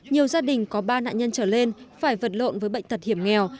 nhiều gia đình có ba nạn nhân trở lên phải vật lộn với bệnh tật hiểm nghèo